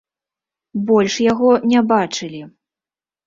Больш яго не бачылі.